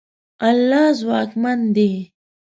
الله ځواکمن دی.